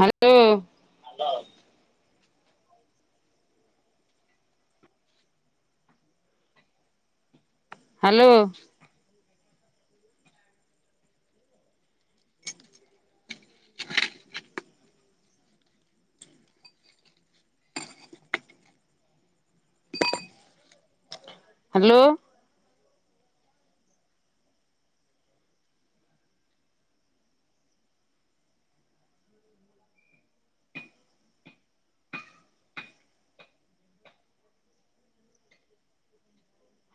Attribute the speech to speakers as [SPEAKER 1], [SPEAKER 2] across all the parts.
[SPEAKER 1] Hello. Hello. Hello.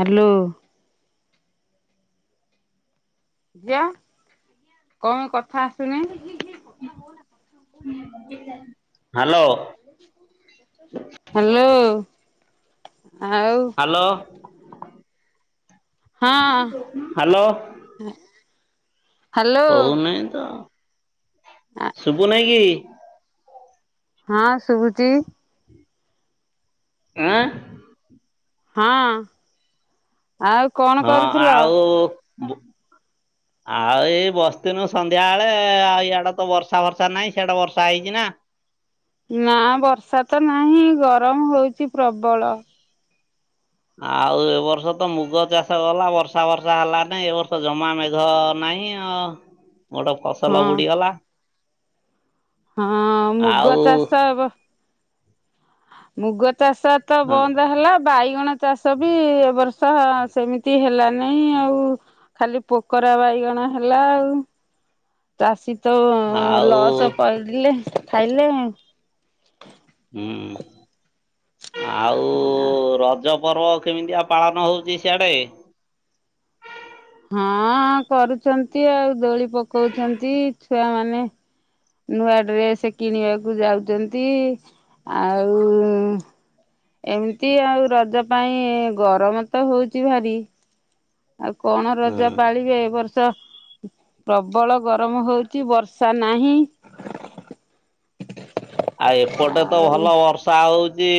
[SPEAKER 1] Hello. ଝିଅ କଁ କଥା ଆସୁନି।
[SPEAKER 2] ହାଲୋ।
[SPEAKER 1] [inaudible] ହାଲୋ ଆଉ।
[SPEAKER 2] ହାଲୋ
[SPEAKER 1] ହଁ
[SPEAKER 2] ହାଲୋ।
[SPEAKER 1] [inaudible] ହ୍ୟାଲୋ
[SPEAKER 2] ହଉ ନେଇ ତ ଶୁଭୁ ନେଇ କି।
[SPEAKER 1] ହଁ ଶୁଭୁଚି।
[SPEAKER 2] ଆଁ।
[SPEAKER 1] ହଁ ଆଉ। କଣ
[SPEAKER 2] ହଁ
[SPEAKER 1] କରୁଥିଲ?
[SPEAKER 2] ଆଉ ବୁ ଆଉ ଏଇ ବସିଥିନୁ ସନ୍ଧ୍ୟା ବେଳେ ଆଉ ଇଆଡେ ତ ବର୍ଷା ବର୍ଷା ନାହିଁ ସେଆଡେ ବର୍ଷା ହେଇଛି ନା।
[SPEAKER 1] ନା ବର୍ଷା ତ ନାହିଁ ଗରମ ହଉଛି ପ୍ରବଳ।
[SPEAKER 2] ଆଉ ଏ ବର୍ଷ ତ ମୁଗ ଚାଷ ଗଲା ବର୍ଷା ଫର୍ଷା ହେଲା ନି ଏ ବର୍ଷ ଜମା ମେଘ ନାହିଁ। ହଁ ଗୋଟେ ଫସଲ
[SPEAKER 1] ହଁ
[SPEAKER 2] ବୁଡିଗଲା।
[SPEAKER 1] ହଁ ମୁଗ
[SPEAKER 2] ଆଉ
[SPEAKER 1] ଚାଷ ବ ମୁଗ ଚାଷ ତ
[SPEAKER 2] ହଁ
[SPEAKER 1] ବନ୍ଦ ହେଲା ବାଇଗଣ ଚାଷ ବି ଏବ ବର୍ଷ ସେମିତି ହେଲାନାହିଁ ଆଉ ଖାଲି ପୋକରା ବାଇଗଣ ହେଲା ଆଉ। ଚାଷୀ ତ
[SPEAKER 2] ଆଉ
[SPEAKER 1] ଲସ ପଇଡିଲେ ଖାଇଲେ।
[SPEAKER 2] ହୁଁ ଆଉ ରଜ ପର୍ବ କେମିତିଆ ପାଳନ ହେଉଚି ସିଆଡେ?
[SPEAKER 1] ହଁ କରୁଚନ୍ତି ଆଉ ଦୋଳି ପକଉଚନ୍ତି ଛୁଆମାନେ। ନୂଆ ଡ୍ରେସ କିଣିବାକୁ ଯାଉଛନ୍ତି। ଆଉ ଏମିତି ଆଉ ରଜ ପାଇଁ ଗରମ ତ ହଉଛି ଭାରି। ଆଉ କଣ ରଜ
[SPEAKER 2] ହୁଁ।
[SPEAKER 1] ପାଳିବେ ଏ ବର୍ଷ। ପ୍ରବଳ ଗରମ ହଉଚି ବର୍ଷା ନାହିଁ।
[SPEAKER 2] ଆଉ ଏପଟେ ତ
[SPEAKER 1] ଆଉ
[SPEAKER 2] ଭଲ ବର୍ଷା ହଉଚି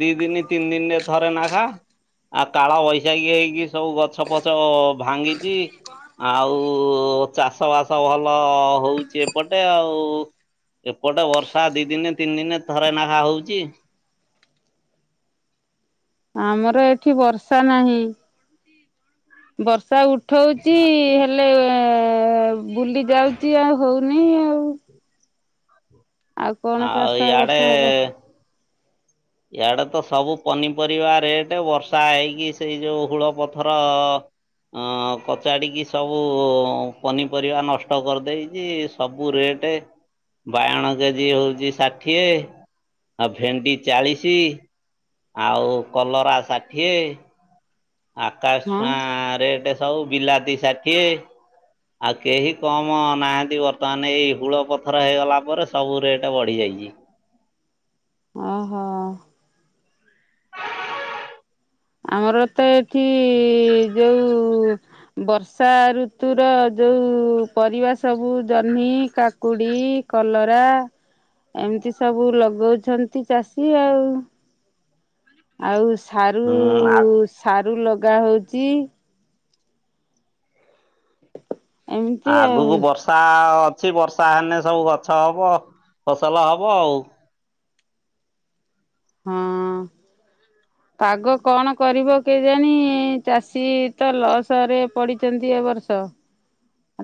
[SPEAKER 2] ଦି ଦିନି ତିନି ଦିନରେ ଥରେ ନେଖା। ଆଉ କାଳ ବୈଶାଖୀ ହେଇକି ସବୁ ଗ ଛ ପଛ ଭାଙ୍ଗିଚି ଆଉ ଚାଷ ବାସ ଭଲ ହଉଚି ଏପଟେ ଆଉ। ଏପଟେ ବର୍ଷ ର୍ଷା ଦି ଦିନେ ତିନି ଦିନେ ଥରେ ନାଖା ହଉଚି।
[SPEAKER 1] ଆମର ଏଠି ବର୍ଷା ନାହିଁ। ବର୍ଷା ଉଠଉଚି ହେଲ ଲେ ବୁଲି ଯାଉଚି ଆଉ ହୋଉନେଇ ଆଉ। ଆଉ କଣ ଚାଷ
[SPEAKER 2] ଆଉ
[SPEAKER 1] ଏ ବର୍ଷ
[SPEAKER 2] ଇଆଡେ
[SPEAKER 1] ହବ
[SPEAKER 2] ଇଆଡେ ତ ସବୁ ପନିପରିବା ରେଟ। ବର୍ଷା ହେଇକି ସେଇ ଯୋଉ ହୁଳ ପଥର ଅଁ କଚାଡ଼ିକି ସବୁ ପନିପରିବା ନଷ୍ଟ କରିଦେଇଚି। ସବୁ ରେଟେ ବାଇଗଣ କେଜି ହୋଉଚି ଷାଠିଏ। ଆଉ ଭେଣ୍ଡି ଚାଳିଶି ଆଉ କଲରା ଷାଠିଏ ଆକାଶ
[SPEAKER 1] ହଁ
[SPEAKER 2] ଛୁଆଁ ରେଟ ସବୁ ବିଲାତି ଷାଠିଏ ‌ ଆଉ କେହି କମ ନାହାଁନ୍ତି ବର୍ତ୍ତମାନେ ଏଇ ହୁଳ ପଥର ହେଇଗଲା ପରେ ସବୁ ରେଟ୍ ବଢ଼ିଯାଇଚି।
[SPEAKER 1] ଓ ହୋ ଆମର ତ ଏଠି ଯୋଉ ବର୍ଷା ଋତୁର ଯୋଉ ପରିବା ସବୁ ଜହ୍ନି କାକୁଡି କଲରା ଏମିତି ସବୁ ଲଗଉଛନ୍ତି ଚାଷୀ ଆଉ ଆଉ ସାରୁ
[SPEAKER 2] ହୁଁ
[SPEAKER 1] ସାରୁ ଲଗା ହଉଚି। ଏମିତି ଆଉ
[SPEAKER 2] ଆବକୁ ବର୍ଷା ଅଛି ବର୍ଷା ହେଲେ ସବୁ ଗଛ ହବ ଫସଲ ହବ ଆଉ।
[SPEAKER 1] ହଁ।
[SPEAKER 2] [unintelligible]
[SPEAKER 1] ପାଗ କଣ କରିବ କେଜାଣି ଚାଷୀ ତ ଲସ ରେ ପଡିଚନ୍ତି ଏ ବର୍ଷ।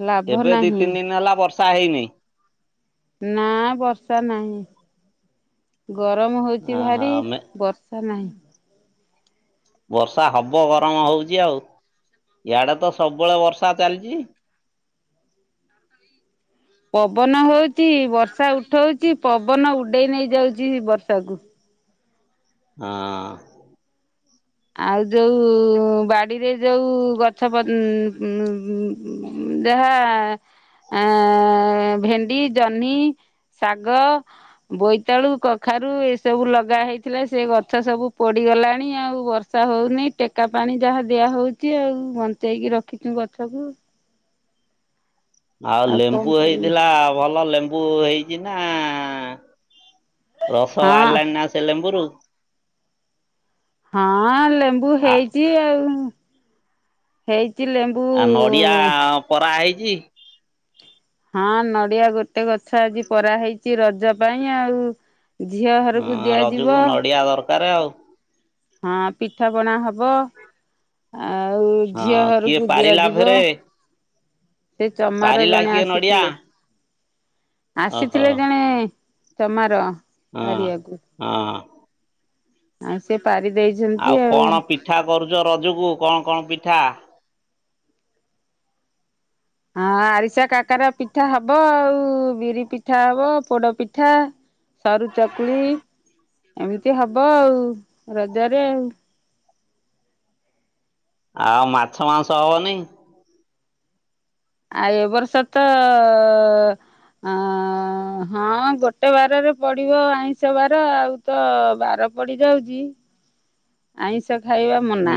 [SPEAKER 1] ଲାଭ
[SPEAKER 2] ଏବେ ଦି
[SPEAKER 1] ନାହିଁ।
[SPEAKER 2] ତିନି ଦିନି ହେଲା ବର୍ଷା ହେଇନି।
[SPEAKER 1] ନା ବର୍ଷା ନାହିଁ। ଗରମ ହୋଉଚି
[SPEAKER 2] ଓହୋ
[SPEAKER 1] ଭାରି
[SPEAKER 2] ମେ
[SPEAKER 1] ବର୍ଷ ତା ନାହିଁ
[SPEAKER 2] ବର୍ଷା ହବ ଗରମ ହୋଉଚି ଆଉ ଇଆଡେ ତ ସବୁବେଳେ ବର୍ଷା ଚାଲିଚି।
[SPEAKER 1] ପବନ ହୋଉଚି ବର୍ଷା ଉଠଉଚି ପବନ ଉଡେଇ ନେଇ ଯାଉଚି ବର୍ଷାକୁ।
[SPEAKER 2] ହଁ
[SPEAKER 1] ଆଉ ଯୋଉ ବାଡିରେ ଯୋଉ ଗଛ ପ ଉଁ ଜାହା ଆଁ ଭେଣ୍ଡି ଜହ୍ନି ଶାଗ ବୋଇତାଳୁ କଖାରୁ ଏ ସବୁ ଲଗା ହେଇଥିଲା ସେ ଗଛ ସବୁ ପୋଡିଗଲାଣି। ଆଉ ବଷ ର୍ଷା ହୋଉନି ଟେକା ପାଣି ଯାହା ଦିଆହଉଚି ଆଉ ବଞ୍ଚେଇକି ରଖିଚୁ ଗଛକୁ।
[SPEAKER 2] ଆଉ
[SPEAKER 1] କଣ
[SPEAKER 2] ଲେମ୍ବୁ
[SPEAKER 1] କରିବୁ?
[SPEAKER 2] ହେଇଥିଲା ଭଲ ଲେମ୍ବୁ ହେଇଚି ନା ରସ
[SPEAKER 1] ହଁ
[SPEAKER 2] ବାହାରିଲାଣି ନା ସେ ଲେମ୍ବୁରୁ?
[SPEAKER 1] ହଁ ଲେମ୍ବୁ
[SPEAKER 2] ଆ
[SPEAKER 1] ହେଇଚି ଆଉ ହେଇଚି ଲେମ୍ବ
[SPEAKER 2] ଆ ନଡିଆ ପରା ହେଇଚି।
[SPEAKER 1] ହଁ ନଡିଆ ଗୋଟେ ଗଛ ଆଜି ପରା ହେଇଚି ରଜ ପାଇଁ ଆଉ। ଝିଅ ଘରୁକୁ ଦିଆଯିବ।
[SPEAKER 2] ୟା ଦରକାର ଆଉ।
[SPEAKER 1] ହଁ ପିଠାପଣା ହବ। ଆଉ ଝିଅ
[SPEAKER 2] ହଁ କିଏ
[SPEAKER 1] ଘରୁକୁ
[SPEAKER 2] ପାରିଲା
[SPEAKER 1] ଦିଆଯିବ।
[SPEAKER 2] ଫେରେ
[SPEAKER 1] ତେ ଚମାର
[SPEAKER 2] ପାରିଲା
[SPEAKER 1] ଜଣେ
[SPEAKER 2] କିଏ ନଡ଼ିଆ
[SPEAKER 1] ଆସିଥିଲେ।
[SPEAKER 2] ଓହୋ
[SPEAKER 1] ଆସିଥିଲେ ଜଣେ ଚମାର।
[SPEAKER 2] ହଁ
[SPEAKER 1] ପାରିବାକୁ
[SPEAKER 2] ହଁ ହଁ।
[SPEAKER 1] ଆଉ ସିଏ ପାରି ଦେଇଛନ୍ତି ଆଉ।
[SPEAKER 2] ପିଠା କରୁଚ ରଜୁକୁ କଁ କଁ ପିଠା?
[SPEAKER 1] ହଁ ଆରିସା କାକାରା ପିଠା ହବ ଆଉ ବିରି ପିଠା ହବ ପୋଡ ପିଠା। ସରୁ ଚକୁଳି ଏମିତି ହବ ଆଉ ରଜରେ ଆଉ।
[SPEAKER 2] ଆଉ ମାଛ ମାଉଁସ ହବନି।
[SPEAKER 1] ଆଉ ଏ ବର୍ଷ ତ ଅଁ ହଁ ଗୋଟେ ବାରରେ ପଡିବ ଆଇଁଷ ବାର ଆଉ। ତ ବାର ପଡି ଯାଉଚି। ଆଇଁଷ ଖାଇବା ମନା।
[SPEAKER 2] ହୁଁ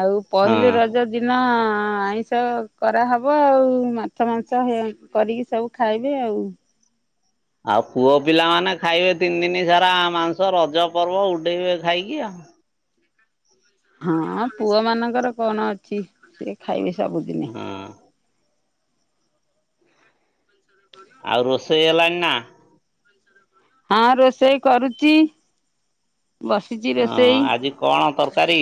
[SPEAKER 1] ଆଉ ପହିଲି
[SPEAKER 2] ହଁ।
[SPEAKER 1] ରଜ ଦିନ ଆଇଁଷ କରାହବ ଆଉ ମା ଛ ମାଂସ ହେଁ କରିକି ସବୁ ଖାଇବେ ଆଉ।
[SPEAKER 2] ଆଉ ପୁଅ ପିଲାମାନେ ଖାଇବେ ତିନି ଦିନି ସାରା ମାଉଁସ ରଜ ପର୍ବ ଉଡେଇବେ ଖାଇକି ଆଉ।
[SPEAKER 1] ହଁ ପୁଅମାନଙ୍କର କଣ ଅଛି ସିଏ ଖାଇବେ ସବୁଦିନେ।
[SPEAKER 2] ହଁ।
[SPEAKER 1] [inaudible]
[SPEAKER 2] ଆଉ ରୋଷେଇ ହେଲାଣି ନା?
[SPEAKER 1] ହଁ ରୋଷେଇ କରୁଚି ବସ୍
[SPEAKER 2] ଆଁ ଆଜି କଣ ତରକାରୀ?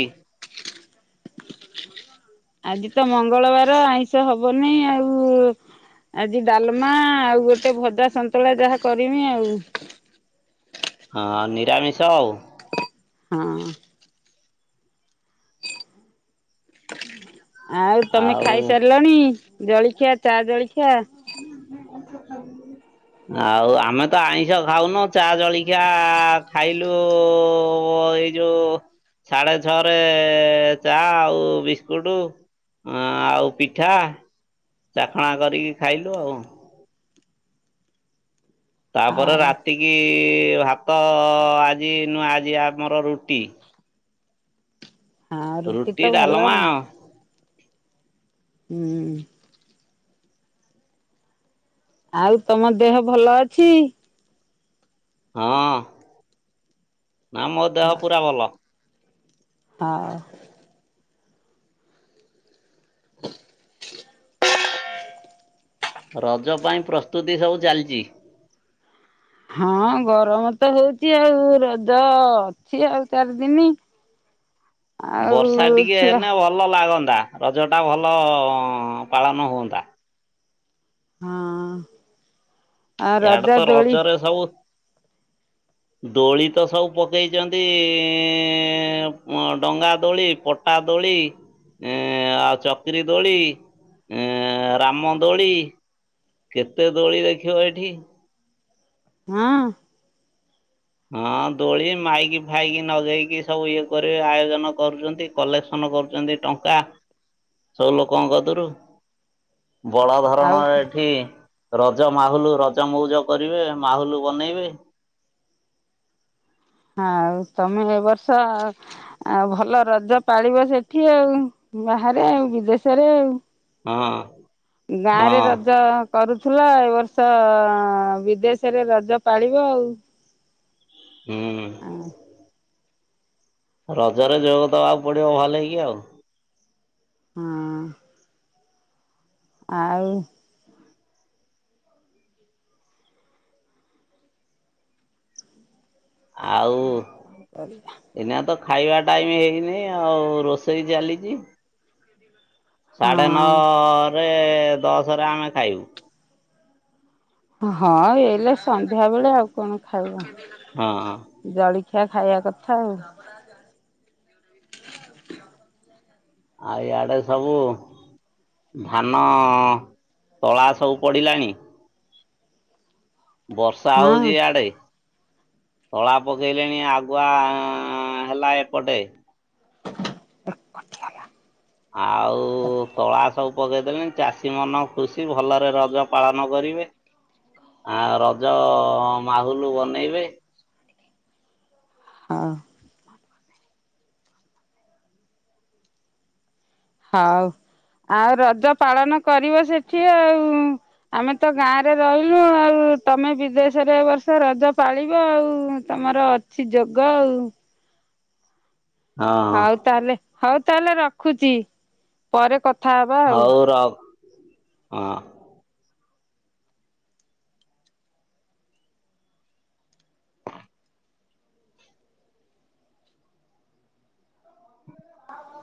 [SPEAKER 1] ଆଜି ତ ମଙ୍ଗଳବାର ଆଇଁଷ ହବ ନାଇଁ ଆଉ। ଆଜି ଡାଲମା ଆଉ ଗୋଟେ ଭଜା ସନ୍ତୁଳା ଯାହା କରିମି ଆଉ।
[SPEAKER 2] ହଁ ନିରାମିଷ ଆଉ।
[SPEAKER 1] ହଁ। ଆଉ ତମେ ଖାଇସାରିଲଣି ଜଳିଖିଆ ଚା ଜଳିଖିଆ।
[SPEAKER 2] [inaudible] ଆଉ ଆମେ ତ ଆଇଁଷ ଖାଉନୁ ଚା ଜଳିଖିଆ ଖାଇଲୁ ଏଇ ଯୋଉ ସାଡେ ଛଅରେ ଚା ଆଉ ବିସ୍କୁଟୁ। ଅଁ ଆଉ ପିଠା। ଚାଖଣା କରିକି ଖାଇଲୁ ଆଉ। ତାପରେ
[SPEAKER 1] ହଉ
[SPEAKER 2] ରାତିକି ଭାତ ଆଜି ନୁଅଁ ଆଜି ଆମର ରୁଟି।
[SPEAKER 1] ହଁ ତ
[SPEAKER 2] ରୁଟି
[SPEAKER 1] ଭଲ
[SPEAKER 2] ଡାଲମା।
[SPEAKER 1] ହୁଁ। ଆଉ ତମ ଦେହ ଭଲ ଅଛି?
[SPEAKER 2] ହଁ ନା ମୋ ଦେହ ପୁରା ଭଲ।
[SPEAKER 1] ହଉ। ହ [unintelligible]
[SPEAKER 2] ରଜ ପାଇଁ ପ୍ରସ୍ତୁତି ସବୁ ଚାଲିଚି।
[SPEAKER 1] ହଁ ଗରମ ତ ହଉଚି ଆଉ ରଜ ଅଛି ଆଉ ଚାରି ଦିନି। ଆଉ
[SPEAKER 2] ବର୍ଷା ଟିକେ
[SPEAKER 1] ଛୁଆ
[SPEAKER 2] ହେନେ ଭ ଲ ଲାଗନ୍ତା ରଜଟା ଭଲ ପାଳନ ହୁଅନ୍ତା।
[SPEAKER 1] ହଁ। ଆଉ ରଜ
[SPEAKER 2] ଇଆଡେ ତ
[SPEAKER 1] ଦୋଳି
[SPEAKER 2] ରଜରେ ସବୁ ଦୋଳି ତ ସବୁ ପକେଇଚନ୍ତି ମୋ ଡଙ୍ଗା ଦୋଳି ପ ଟା ଦୋଳି ଇଁ ଆଉ ଚକିରି ଦୋଳି। ଏ ରାମ ଦୋଳି। କେତେ ଦୋଳି ଦେଖିବ ଏଠି।
[SPEAKER 1] ହଁ।
[SPEAKER 2] ହଁ ଦୋଳି ମାଇକି ଫାଇକି ନଗେଇକି ସବୁ ଇଏ କର ଆୟୋଜନ କରୁଛନ୍ତି। କଲେକ୍ସନ କରୁଛନ୍ତି ଟଙ୍କା ସବୁ ଲୋକଙ୍କ ଗଦରୁ। ବଡ
[SPEAKER 1] ଆଉ
[SPEAKER 2] ଧରଣର ଏଠି ରଜ ମାହୁଲ ରଜ ମଉଜ କରିବେ ମାହୁଲ ବନେଇବେ।
[SPEAKER 1] ଆଉ ତମେ ଏ ବର୍ଷ ଆଉ ଭଲ ରଜ ପାଳିବ ସେଠି ଆଉ ବାହାରେ ଆଉ ବିଦେଶରେ ଆଉ।
[SPEAKER 2] ହଁ।
[SPEAKER 1] ଗାଁ ରେ
[SPEAKER 2] ହଁ
[SPEAKER 1] ରଜ କରୁଥିଲ, ଏ ବର୍ଷ ବିଦେଶରେ ରଜ ପାଳିବ ଆଉ।
[SPEAKER 2] ହୁଁ। ରଜରେ ଯୋଗ ଦବାକୁ ପଡିବ ଭଲେଇକି ଆଉ।
[SPEAKER 1] ହଁ। ଆଉ।
[SPEAKER 2] ଆଉ।
[SPEAKER 1] ହଁ
[SPEAKER 2] ଏଇନା ତ ଖାଇବା ଟାଇମ ହେଇନେଇ ଆଉ ରୋଷେଇ ଚାଲିଛି।
[SPEAKER 1] ଆଉ
[SPEAKER 2] ସାଢ଼େ ନଅରେ ଦଶରେ ଆମେ ଖାଇବୁ।
[SPEAKER 1] ହଁ ଏଲେ ସନ୍ଧ୍ୟା ବେଳେ ଆଉ କଣ ଖାଇବ।
[SPEAKER 2] ହଁ ହଁ।
[SPEAKER 1] ଜଳଖିଆ ଖାଇବା କଥା ଆଉ।
[SPEAKER 2] ଆ ଇଆଡେ ସବୁ ଧାନ ତଳା ସବୁ ପଡିଲାଣି। ବର୍ଷା
[SPEAKER 1] ହଁ
[SPEAKER 2] ହଉଚି ଇଆଡେ ତଳା ପକେଇଲେଣି ଆଗୁଆ ହେଲା ଏପଟେ
[SPEAKER 1] କଟିଗଲା
[SPEAKER 2] ଆଉ ତଳା ସବୁ ପକେଇଦେଲେଣି। ଚାଷୀ ମନ ଖୁସି ଭଲରେ ରଜ ପାଳନ କରିବେ। ଆ ରଜ ମାହୁଲ ବନେଇବେ।
[SPEAKER 1] ହଁ। ହଉ ଆଉ ରଜ ପାଳନ କରିବ ସେଠି ଆଉ। ଆମେ ତ ଗାଁରେ ରହିଲୁ ଆଉ ତମେ ବିଦେଶରେ ଏ ବର୍ଷ ରଜ ପାଳିବ ଆଉ ତମର ଅଛି ଯୋଗ ଆଉ।
[SPEAKER 2] ହଁ
[SPEAKER 1] ହଉ ତାହେଲେ ହଉ ତାହେଲେ ରଖୁଛି ପରେ କଥା ହବା। ଆଉ।
[SPEAKER 2] ହଉ ରଖ ହଁ।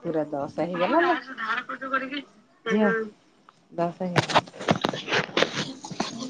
[SPEAKER 1] ପୁରା ଦଶ ହେଇଗଲା ଲୋ ଝିଅ ଦଶ ହେଇଗଲା।
[SPEAKER 2] [inaudible]